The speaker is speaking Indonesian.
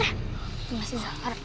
tante messi dan sarah